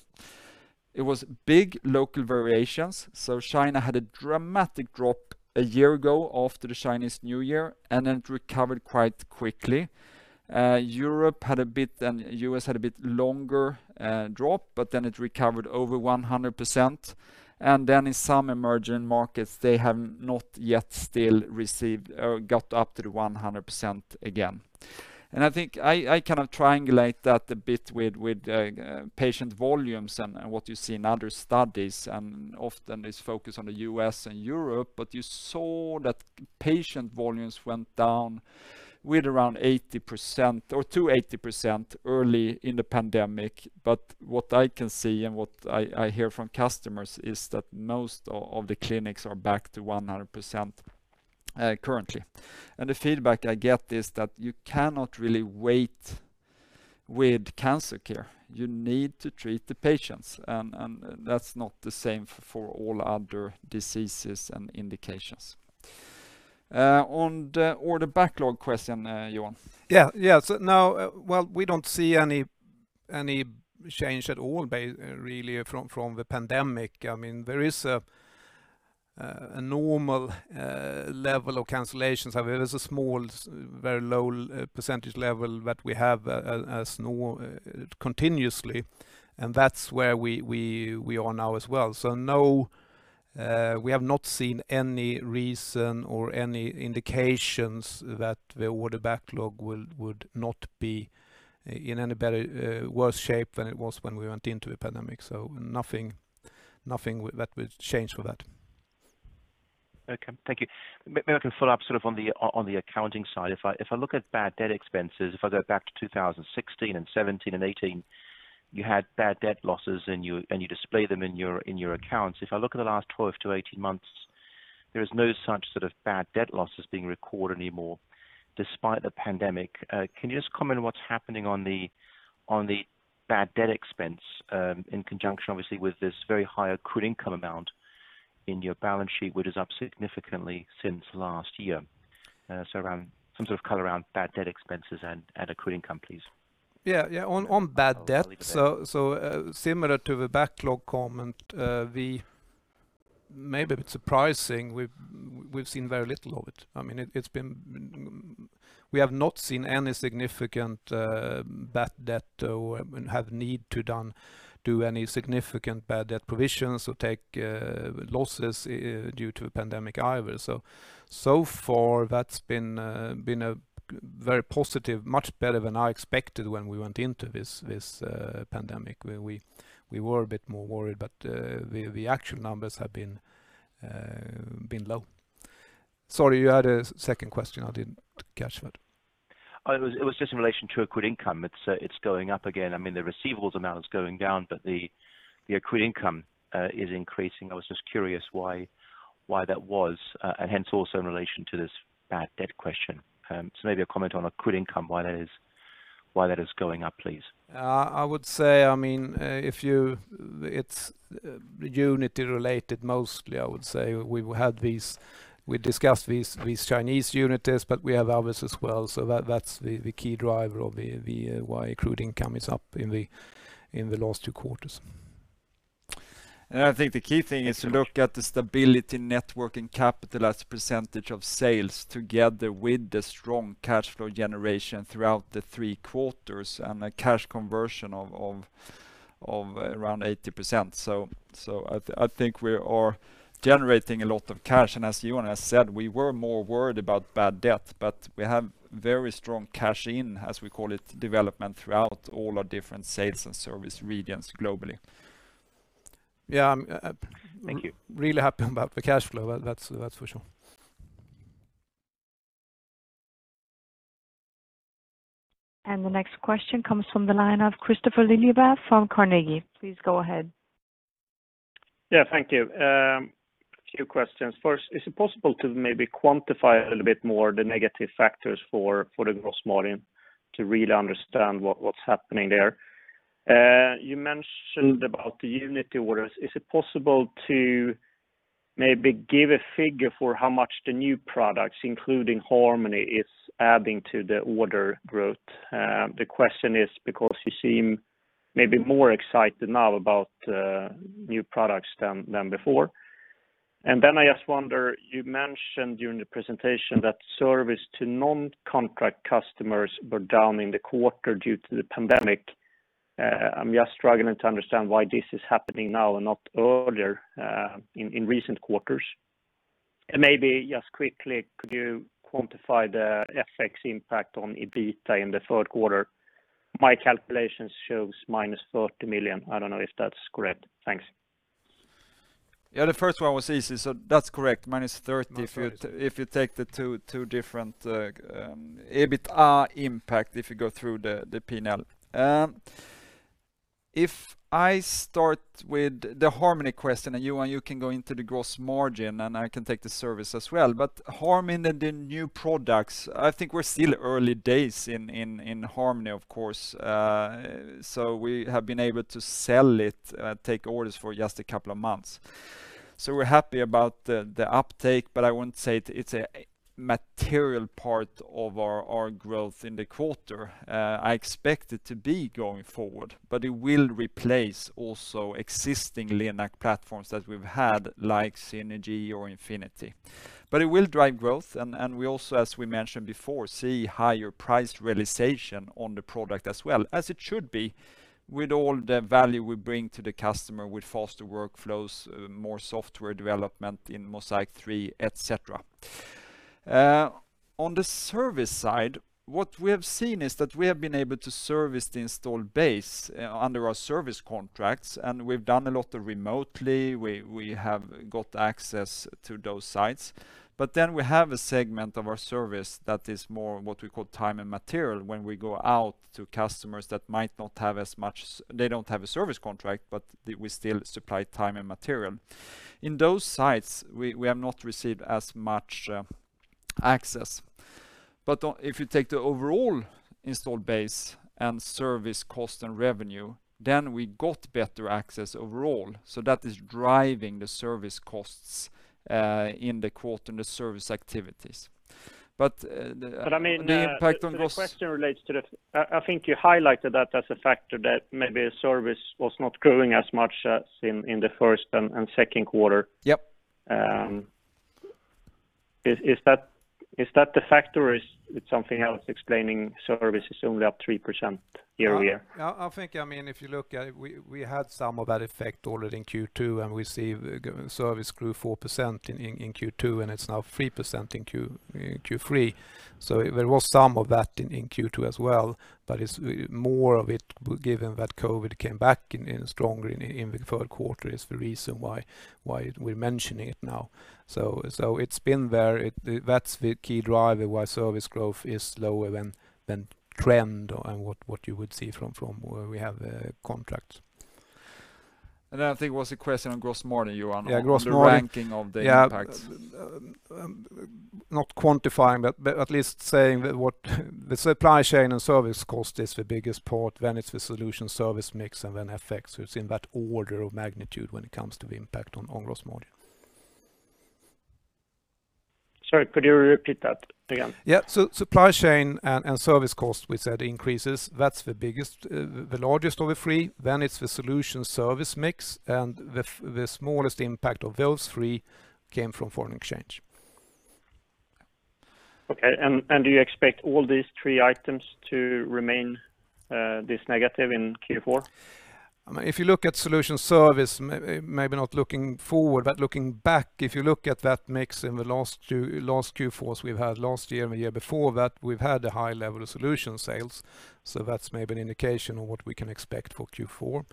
It was big local variations. China had a dramatic drop a year ago after the Chinese New Year. It recovered quite quickly. Europe had a bit and U.S. had a bit longer drop. It recovered over 100%. In some emerging markets, they have not yet still got up to the 100% again. I think I kind of triangulate that a bit with patient volumes and what you see in other studies. Often it's focused on the U.S. and Europe. You saw that patient volumes went down with around 80% or to 80% early in the pandemic. What I can see and what I hear from customers is that most of the clinics are back to 100% currently. The feedback I get is that you cannot really wait with cancer care. You need to treat the patients, and that's not the same for all other diseases and indications. On the order backlog question, Johan. Yeah. Now, well, we don't see any change at all really from the pandemic. There is a normal level of cancellations. There is a small, very low % level that we have continuously, and that's where we are now as well. We have not seen any reason or any indications that the order backlog would not be in any worse shape than it was when we went into the pandemic. Nothing that will change for that. Okay. Thank you. Maybe I can follow up on the accounting side. If I look at bad debt expenses, if I go back to 2016, 2017, and 2018, you had bad debt losses, and you display them in your accounts. If I look at the last 12-18 months, there is no such sort of bad debt losses being recorded anymore, despite the pandemic. Can you just comment on what's happening on the bad debt expense, in conjunction, obviously, with this very high accrued income amount in your balance sheet, which is up significantly since last year? Around some sort of color around bad debt expenses and accrued income, please. On bad debt, similar to the backlog comment, maybe a bit surprising, we've seen very little of it. We have not seen any significant bad debt or have need to do any significant bad debt provisions or take losses due to the pandemic either. Far that's been very positive, much better than I expected when we went into this pandemic, where we were a bit more worried. The actual numbers have been low. Sorry, you had a second question. I didn't catch that. It was just in relation to accrued income. It's going up again. The receivables amount is going down, the accrued income is increasing. I was just curious why that was, hence also in relation to this bad debt question. Maybe a comment on accrued income, why that is going up, please? I would say it's Unity related mostly. I would say we discussed these Chinese Unitys, we have others as well. That's the key driver of why accrued income is up in the last two quarters. I think the key thing is to look at the stability network and capital as a percentage of sales together with the strong cash flow generation throughout the three quarters, and a cash conversion of around 80%. I think we are generating a lot of cash. As Johan has said, we were more worried about bad debt, but we have very strong cash in, as we call it, development throughout all our different sales and service regions globally. Thank you. Really happy about the cash flow, that's for sure. The next question comes from the line of Kristofer Liljeberg from Carnegie. Please go ahead. Thank you. A few questions. First, is it possible to quantify a little bit more the negative factors for the gross margin to really understand what's happening there? You mentioned about the Elekta Unity orders. Is it possible to give a figure for how much the new products, including Elekta Harmony, is adding to the order growth? The question is because you seem more excited now about new products than before. I just wonder, you mentioned during the presentation that service to non-contract customers were down in the quarter due to the pandemic. I'm struggling to understand why this is happening now and not earlier in recent quarters. Could you quantify the FX impact on EBITDA in the third quarter? My calculations shows -30 million. I don't know if that's correct. Thanks. Yeah, the first one was easy. That's correct, -30 million if you take the two different EBITDA impact, if you go through the P&L. If I start with the Harmony question, and Johan, you can go into the gross margin, and I can take the service as well. Harmony, the new products, I think we're still early days in Harmony, of course. We have been able to sell it, take orders for just a couple of months. We're happy about the uptake, but I wouldn't say it's a material part of our growth in the quarter. I expect it to be going forward, but it will replace also existing Linac platforms that we've had, like Synergy or Infinity. It will drive growth, and we also, as we mentioned before, see higher price realization on the product as well, as it should be with all the value we bring to the customer with faster workflows, more software development in MOSAIQ 3, et cetera. On the service side, what we have seen is that we have been able to service the installed base under our service contracts, and we've done a lot of remotely. We have got access to those sites. Then we have a segment of our service that is more what we call time and material. When we go out to customers that might not have as much. They don't have a service contract, but we still supply time and material. In those sites, we have not received as much access. If you take the overall installed base and service cost and revenue, then we got better access overall. That is driving the service costs in the quarter and the service activities. The impact on gross- The question relates to I think you highlighted that as a factor that maybe a service was not growing as much as in the first and second quarter. Yep. Is that the factor or it's something else explaining services only up 3% year-over-year? I think, if you look at it, we had some of that effect already in Q2, and we see service grew 4% in Q2, and it's now 3% in Q3. There was some of that in Q2 as well, but more of it, given that COVID came back stronger in the third quarter, is the reason why we're mentioning it now. It's been there. That's the key driver why service growth is lower than trend and what you would see from where we have contracts. I think it was a question on gross margin, Johan. Yeah, gross margin. The ranking of the impact. Not quantifying, but at least saying that the supply chain and service cost is the biggest part, then it's the solution service mix, and then FX. It's in that order of magnitude when it comes to the impact on gross margin. Sorry, could you repeat that again? Yeah. Supply chain and service cost, we said increases, that's the largest of the three. It's the solution service mix, and the smallest impact of those three came from foreign exchange. Okay, do you expect all these three items to remain this negative in Q4? If you look at solution service, maybe not looking forward but looking back, if you look at that mix in the last Q4s we've had last year and the year before that, we've had a high level of solution sales. That's maybe an indication of what we can expect for Q4.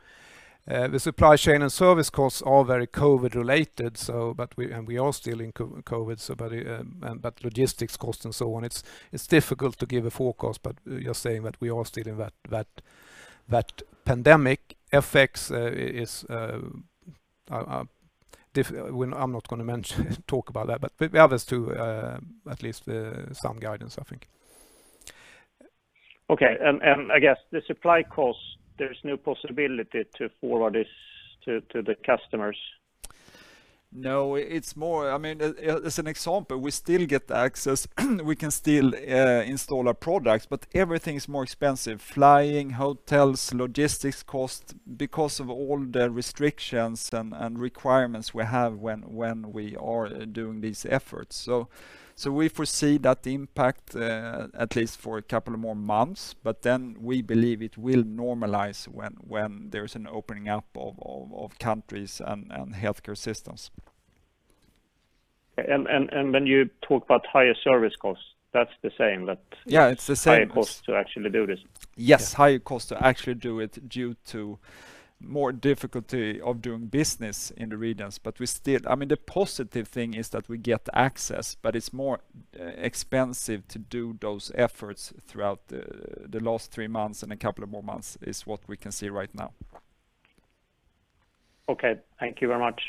The supply chain and service costs are very COVID related, and we are still in COVID, but logistics cost and so on, it's difficult to give a forecast, but just saying that we are still in that pandemic. FX is, I'm not going to talk about that, but the others two, at least some guidance, I think. Okay. I guess the supply cost, there's no possibility to forward this to the customers? No. As an example, we still get access, we can still install our products, but everything is more expensive. Flying, hotels, logistics cost, because of all the restrictions and requirements we have when we are doing these efforts. We foresee that impact at least for a couple of more months, but then we believe it will normalize when there's an opening up of countries and healthcare systems. Okay. When you talk about higher service costs, that's the same that- Yeah, it's the same. -higher cost to actually do this? Yes. Higher cost to actually do it due to more difficulty of doing business in the regions. The positive thing is that we get access, but it's more expensive to do those efforts throughout the last three months and a couple of more months, is what we can see right now. Okay. Thank you very much.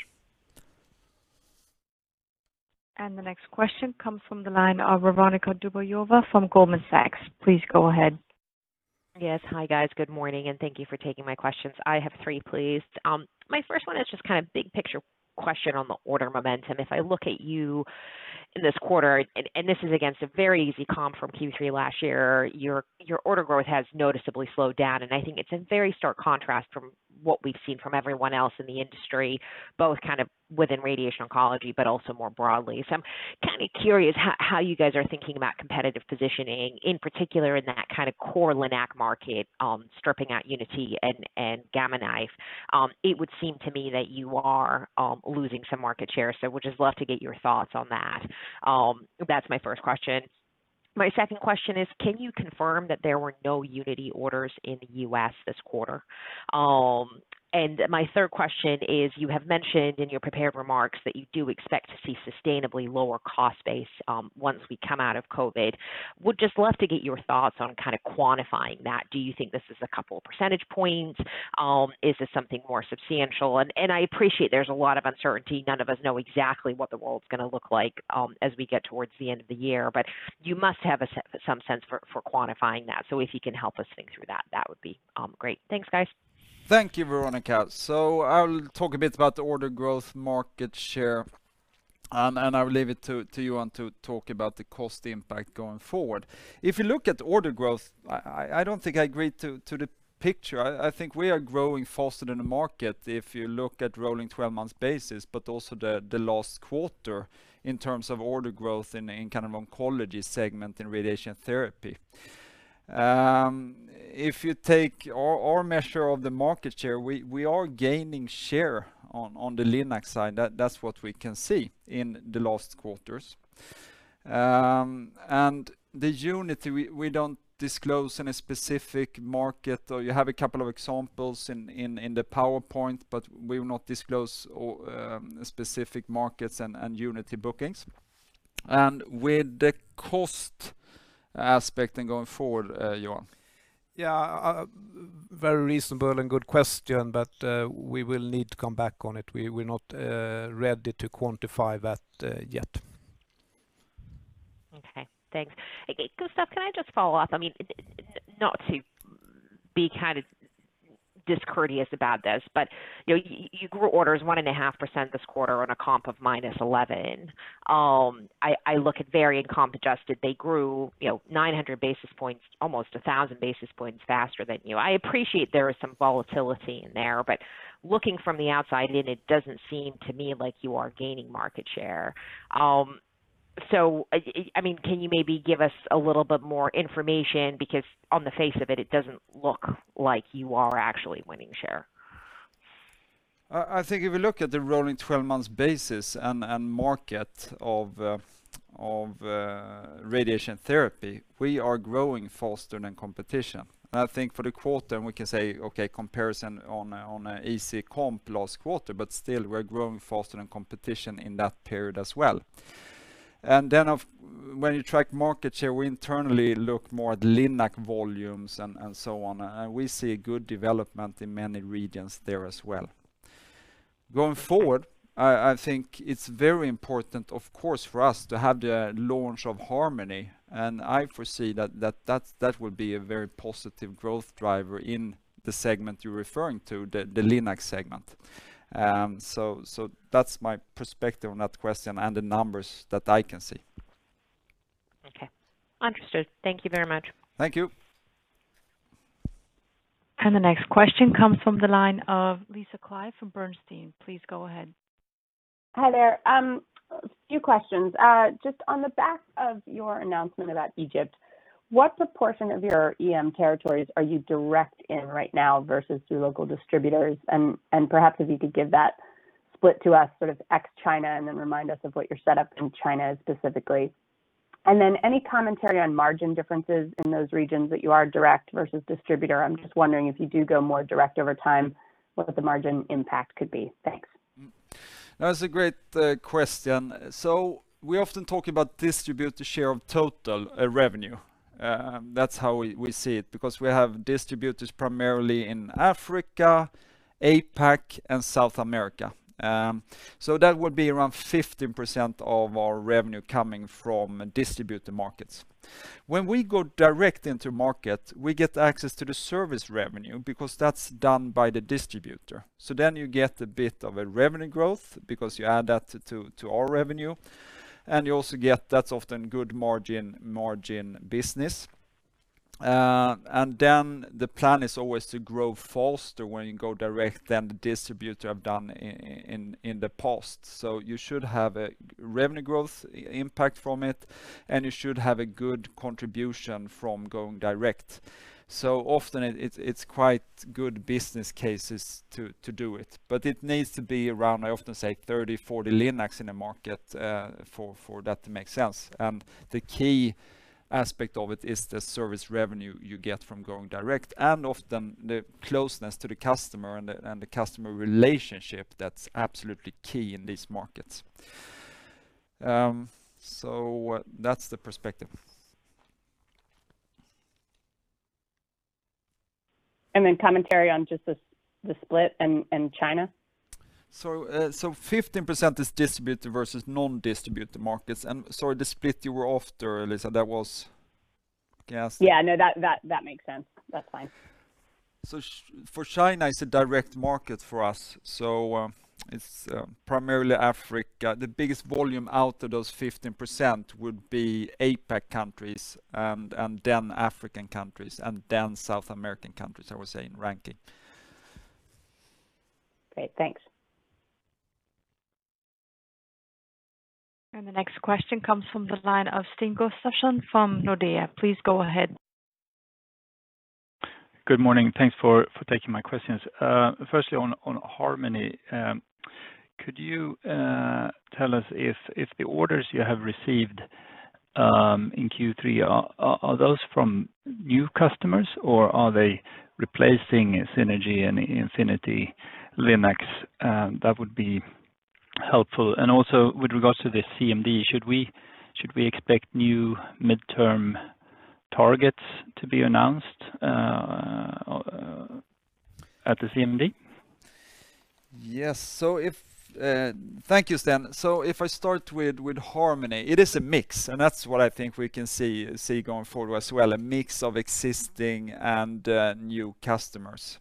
The next question comes from the line of Veronika Dubajova from Goldman Sachs. Please go ahead. Yes. Hi, guys. Good morning. Thank you for taking my questions. I have three, please. My first one is just kind of big picture question on the order momentum. If I look at you in this quarter, this is against a very easy comp from Q3 last year, your order growth has noticeably slowed down. I think it's in very stark contrast from what we've seen from everyone else in the industry, both within radiation oncology, also more broadly. I'm kind of curious how you guys are thinking about competitive positioning, in particular in that kind of core Linac market, stripping out Unity and Gamma Knife. It would seem to me that you are losing some market share. Would just love to get your thoughts on that. That's my first question. My second question is, can you confirm that there were no Unity orders in the U.S. this quarter? My third question is, you have mentioned in your prepared remarks that you do expect to see sustainably lower cost base once we come out of COVID-19. Would just love to get your thoughts on kind of quantifying that. Do you think this is a couple percentage points? Is this something more substantial? I appreciate there's a lot of uncertainty. None of us know exactly what the world's going to look like as we get towards the end of the year, but you must have some sense for quantifying that. If you can help us think through that would be great. Thanks, guys. Thank you, Veronika. I'll talk a bit about the order growth market share. I'll leave it to Johan to talk about the cost impact going forward. If you look at order growth, I don't think I agree to the picture. I think we are growing faster than the market if you look at rolling 12 months basis, but also the last quarter in terms of order growth in kind of oncology segment in radiation therapy. If you take our measure of the market share, we are gaining share on the Linac side. That's what we can see in the last quarters. The Unity, we don't disclose any specific market, or you have a couple of examples in the PowerPoint. We will not disclose specific markets and Unity bookings. With the cost aspect going forward, Johan. Yeah. Very reasonable and good question, but we will need to come back on it. We're not ready to quantify that yet. Okay. Thanks. Gustaf, can I just follow up? Not to be kind of discourteous about this, but you grew orders 1.5% this quarter on a comp of -11%. I look at Varian comp adjusted, they grew 900 basis points, almost 1,000 basis points faster than you. I appreciate there is some volatility in there, but looking from the outside in, it doesn't seem to me like you are gaining market share. Can you maybe give us a little bit more information? Because on the face of it doesn't look like you are actually winning share. I think if you look at the rolling 12 months basis and market of radiation therapy, we are growing faster than competition. I think for the quarter we can say, okay, comparison on a easy comp last quarter, still we're growing faster than competition in that period as well. When you track market share, we internally look more at Linac volumes and so on, and we see a good development in many regions there as well. Going forward, I think it's very important, of course, for us to have the launch of Harmony, and I foresee that that will be a very positive growth driver in the segment you're referring to, the Linac segment. That's my perspective on that question and the numbers that I can see. Okay. Understood. Thank you very much. Thank you. The next question comes from the line of Lisa Clive from Bernstein. Please go ahead. Hi there. A few questions. Just on the back of your announcement about Egypt, what proportion of your EM territories are you direct in right now versus through local distributors? Perhaps if you could give that split to us sort of ex-China, then remind us of what your setup in China is specifically. Any commentary on margin differences in those regions that you are direct versus distributor? I'm just wondering if you do go more direct over time, what the margin impact could be. Thanks. That's a great question. We often talk about distributor share of total revenue. That's how we see it, because we have distributors primarily in Africa, APAC, and South America. That would be around 15% of our revenue coming from distributor markets. When we go direct into market, we get access to the service revenue because that's done by the distributor. Then you get a bit of a revenue growth because you add that to our revenue, and you also get that's often good margin business. Then the plan is always to grow faster when you go direct than the distributor have done in the past. You should have a revenue growth impact from it, and you should have a good contribution from going direct. Often it's quite good business cases to do it. It needs to be around, I often say 30, 40 LINAC in a market for that to make sense. The key aspect of it is the service revenue you get from going direct and often the closeness to the customer and the customer relationship that's absolutely key in these markets. That's the perspective. Commentary on just the split in China? 15% is distributor versus non-distributor markets and, sorry, the split you were after, Lisa, that was Gustaf. Yeah, no, that makes sense. That's fine. For China, it's a direct market for us. It's primarily Africa. The biggest volume out of those 15% would be APAC countries and then African countries and then South American countries, I would say in ranking. Great. Thanks. The next question comes from the line of Sten Gustafsson from Nordea. Please go ahead. Good morning. Thanks for taking my questions. Firstly, on Harmony, could you tell us if the orders you have received in Q3, are those from new customers, or are they replacing Synergy and Infinity Linac? That would be helpful. Also with regards to the CMD, should we expect new midterm targets to be announced at the CMD? Yes. Thank you, Sten. If I start with Harmony, it is a mix, and that's what I think we can see going forward as well, a mix of existing and new customers.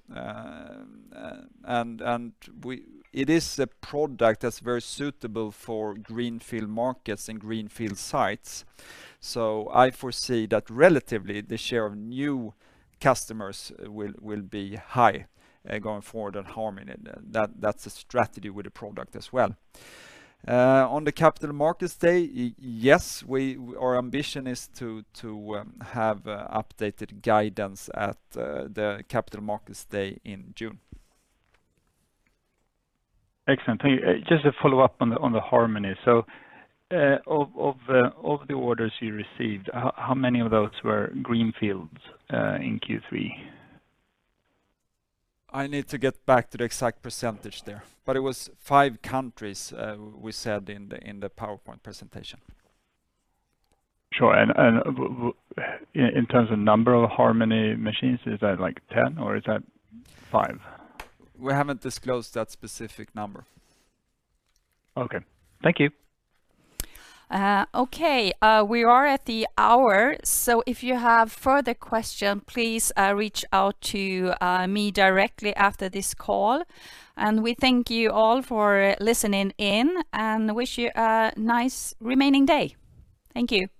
It is a product that's very suitable for greenfield markets and greenfield sites. I foresee that relatively, the share of new customers will be high going forward on Harmony. That's the strategy with the product as well. On the Capital Markets Day, yes, our ambition is to have updated guidance at the Capital Markets Day in June. Excellent. Thank you. Just to follow up on the Harmony. Of the orders you received, how many of those were greenfields in Q3? I need to get back to the exact percentage there, but it was five countries we said in the PowerPoint presentation. Sure, in terms of number of Harmony machines, is that 10 or is that five? We haven't disclosed that specific number. Okay. Thank you. Okay, we are at the hour. If you have further question, please reach out to me directly after this call, and we thank you all for listening in and wish you a nice remaining day. Thank you.